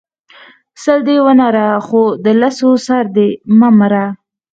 ـ سل دی ونره خو د سلو سر دی مه مره.